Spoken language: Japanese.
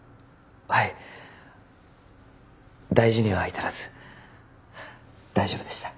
はい大事には至らず大丈夫でした。